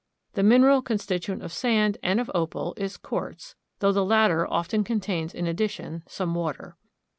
The mineral constituent of sand and of opal is quartz, though the latter often contains in addition some water.